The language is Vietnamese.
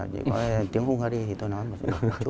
chỉ có tiếng hungary thì tôi nói một chút